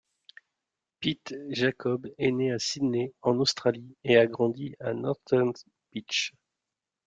Pete Jacobs est né à Sydney en Australie et a grandi à Northern Beaches.